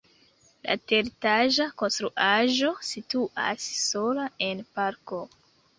La teretaĝa konstruaĵo situas sola en parko.